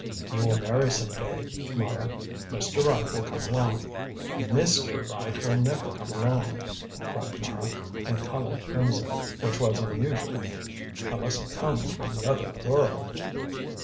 "You will marry some day, Mara. Mr. Right will come along." "Mr. Right will never come along," cried Mara, and coloured crimson, which was unusual, "unless he comes from the other world."